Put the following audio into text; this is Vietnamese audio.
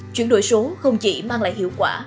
chuyển đổi số không chỉ mang lại hiệu quả